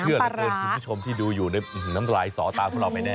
เชื่อแล้วเพื่อนคุณผู้ชมที่ดูอยู่ในน้ำตาลายสอตาของเราไปแน่